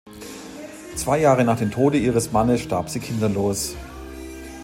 Zwei Jahre nach dem Tode ihres Mannes starb sie kinderlos.